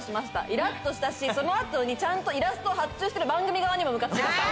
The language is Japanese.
イラっとしたしその後にちゃんとイラストを発注してる番組側にもムカつきました。